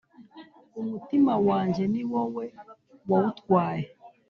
umutima wanjye ni wowe wawutwaye